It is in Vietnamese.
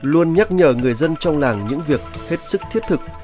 luôn nhắc nhở người dân trong làng những việc hết sức thiết thực